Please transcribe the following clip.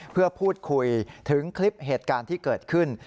เพื่อพูดคุยถึงคลิปเหตุการณ์ที่เกิดขึ้น